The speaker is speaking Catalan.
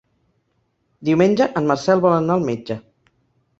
Diumenge en Marcel vol anar al metge.